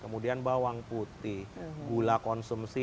kemudian bawang putih gula konsumsi